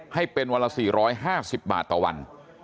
ให้เป็นวันละ๔๕๐บาทต่อวัน